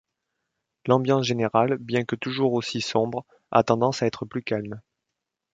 L'ambiance générale, bien que toujours aussi sombre, a tendance à être plus calme.